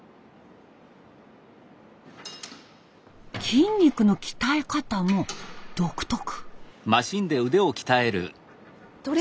筋肉の鍛え方も独特。